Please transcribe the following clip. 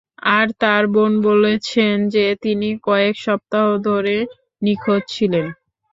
আর তার বোন বলেছেন যে, তিনি কয়েক সপ্তাহ ধরে নিখোঁজ ছিলেন।